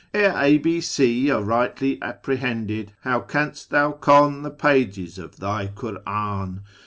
^ Ere A, B, C are rightly apprehended, How canst thou con the pages of thy Kur'an